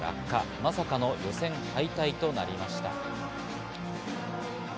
まさかの予選敗退となりました。